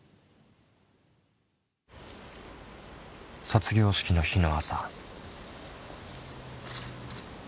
卒業式の日の朝。